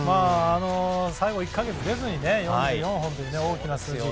最後１か月出ずに４４本という大きな数字。